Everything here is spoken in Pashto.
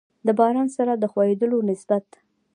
د باران سره د خوييدلو نسبت